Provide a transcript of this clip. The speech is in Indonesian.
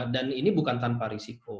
dan ini bukan tanpa risiko